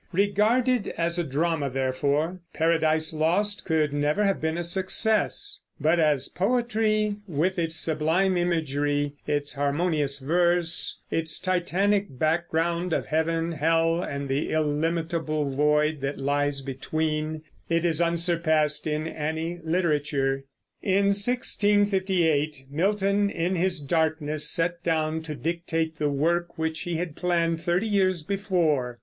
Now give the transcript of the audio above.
Regarded as a drama, therefore, Paradise Lost could never have been a success; but as poetry, with its sublime imagery, its harmonious verse, its titanic background of heaven, hell, and the illimitable void that lies between, it is unsurpassed in any literature. In 1658 Milton in his darkness sat down to dictate the work which he had planned thirty years before.